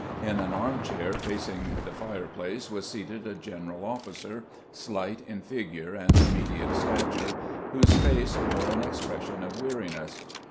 In an arm chair facing the fireplace was seated a general officer, slight in figure and of medium stature, whose face bore an expression of weariness.